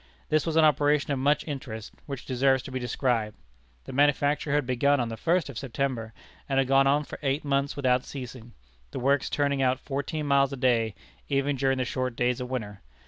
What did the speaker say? This was an operation of much interest, which deserves to be described. The manufacture had begun on the first of September, and had gone on for eight months without ceasing, the works turning out fourteen miles a day even during the short days of winter.